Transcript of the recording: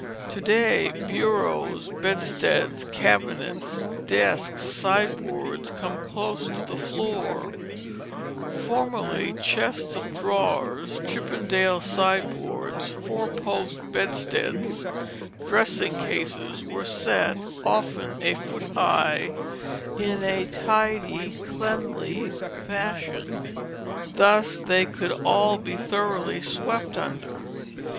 To day bureaus, bedsteads, cabinets, desks, sideboards, come close to the floor; formerly chests of drawers, Chippendale sideboards, four post bedsteads, dressing cases, were set, often a foot high, in a tidy, cleanly fashion; thus they could all be thoroughly swept under.